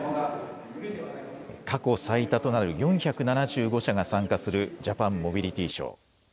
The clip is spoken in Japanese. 過去最多となる４７５社が参加するジャパンモビリティショー。